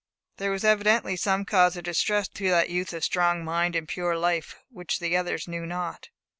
There was evidently some cause of distress to that youth of strong mind and pure life which the others knew not.